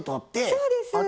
そうです。